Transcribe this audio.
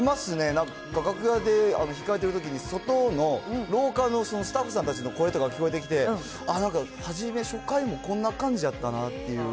なんか楽屋で控えてるときに、外の廊下のスタッフさんたちの声とかが聞こえてきて、あ、なんか、初め、初回もこんな感じやったなっていう。